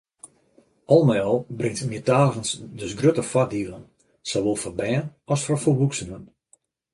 Al mei al bringt meartaligens dus grutte foardielen, sawol foar bern as foar folwoeksenen.